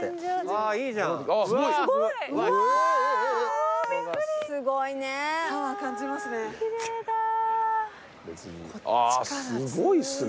あーすごいっすね。